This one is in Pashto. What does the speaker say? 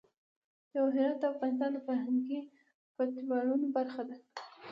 جواهرات د افغانستان د فرهنګي فستیوالونو برخه ده.